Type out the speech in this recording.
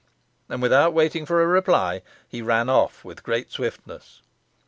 And without waiting for a reply, he ran off with great swiftness.